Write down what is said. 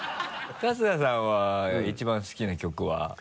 春日さんは一番好きな曲は？